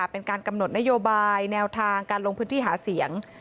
เป็นการกำหนดนโยบายแนวทางการลงพื้นที่หาเสียง